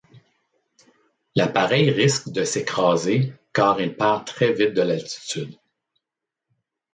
L'appareil risque de s’écraser car il perd très vite de l'altitude.